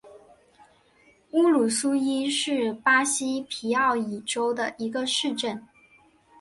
乌鲁苏伊是巴西皮奥伊州的一个市镇。